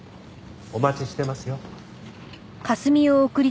お待ちしてますよ。